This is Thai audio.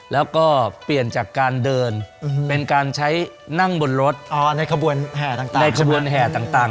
แล้วก็เปลี่ยนจากการเดินเป็นการใช้นั่งบนรถในขบวนแห่ต่าง